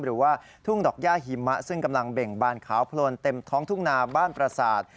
หรือว่าทุ่งดอกย่าหิมะซึ่งกำลังเบ่งบานขาวโพลนเต็มท้องทุ่งนาบ้านประสาท